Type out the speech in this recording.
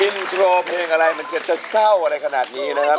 อินโทรเพลงอะไรมันจะเศร้าอะไรขนาดนี้นะครับ